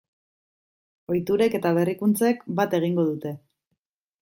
Ohiturek eta berrikuntzek bat egingo dute.